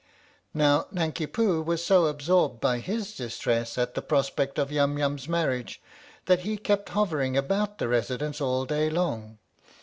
Now Nanki Poo was so absorbed by his distress at the prospect of Yum Yum's marriage that he kept hovering about the Residence all day long.